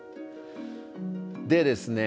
でですね